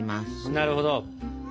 なるほど。